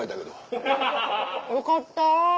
よかった。